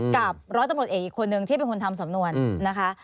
กับร้อยตำรวจเอกอีกคนนึงที่เป็นคนทำสำนวนนะคะ